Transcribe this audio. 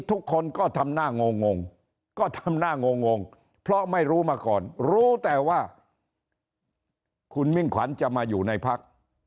ทุกคนก็ทำหน้างงก็ทำหน้างงเพราะไม่รู้มาก่อนรู้แต่ว่าคุณมิ่งขวัญจะมาอยู่ในพัก